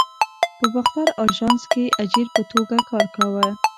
په باختر آژانس کې اجیر په توګه کار کاوه.